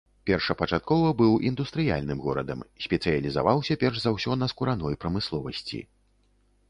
Першапачаткова быў індустрыяльным горадам, спецыялізаваўся перш за ўсё на скураной прамысловасці.